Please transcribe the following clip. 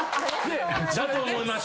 だと思います。